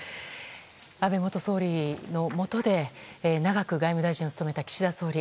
安倍元総理のもとで長く外務大臣を務めた岸田総理。